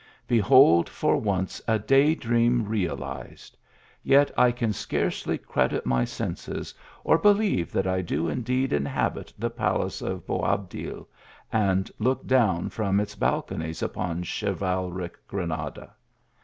Behold for once a day dream realized ; yet 1 can scarcely credit my senses or believe that I do indeed inhabit the palace of Boabdil, and look down from its bal conies upon chivalric Granada.